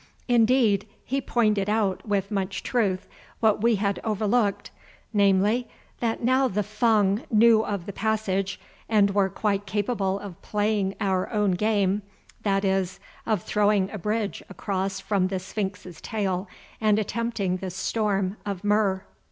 Indeed he pointed out with much truth what we had overlooked, namely, that now the Fung knew of the passage and were quite capable of playing our own game, that is, of throwing a bridge across from the sphinx's tail and attempting the storm of Mur.